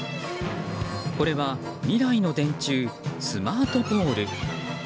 これは、未来の電柱スマートポール。